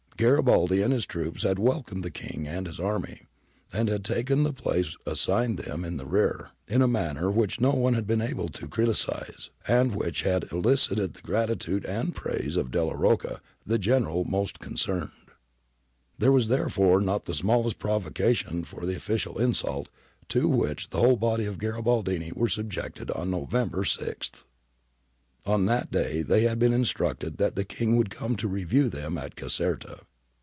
Garibaldi and his troops had welcomed the King and his army, and had taken the place assigned them in the rear, in a manner which no one had been able to criticise, and which had elicited the gratitude and praise of Delia Rocca, the General most concerned. There was therefore not the smallest provocation for the official insult to which the whole body of Garibaldini were subjected on Nov ember 6. On that day they had been instructed that the King would come to review them at Caserta.